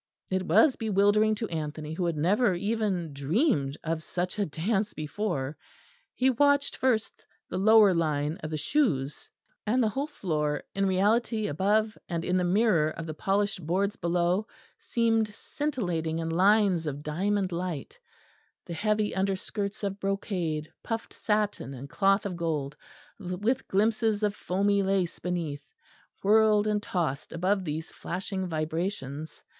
It was bewildering to Anthony, who had never even dreamed of such a dance before. He watched first the lower line of the shoes; and the whole floor, in reality above, and in the mirror of the polished boards below, seemed scintillating in lines of diamond light; the heavy underskirts of brocade, puffed satin, and cloth of gold, with glimpses of foamy lace beneath, whirled and tossed above these flashing vibrations.